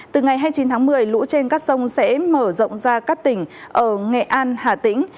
từ ngày hai mươi chín tháng một mươi lũ trên các sông sẽ mở rộng ra các tỉnh ở nghệ an hà tĩnh